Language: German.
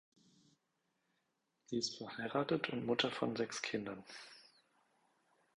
Sie ist verheiratet und Mutter von sechs Kindern.